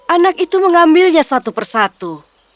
anak itu mengambilnya satu persatu